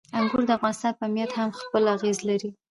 انګور د افغانستان په امنیت هم خپل اغېز لري.